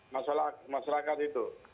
masalah masyarakat itu